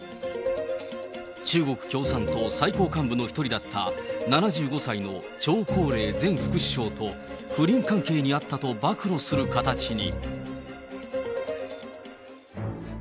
中国共産党最高幹部の一人だった、７５歳の張高麗前副首相と、不倫関係にあったと暴露する形に。